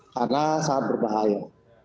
karena sangat berbahaya